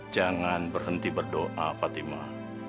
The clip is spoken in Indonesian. jangan berhenti berdoa fatima